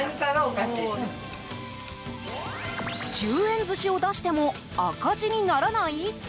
１０円寿司を出しても赤字にならない？